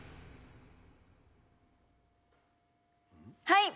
はい！